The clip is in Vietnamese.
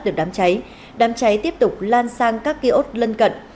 đã được đám cháy đám cháy tiếp tục lan sang các ký ốt lân cận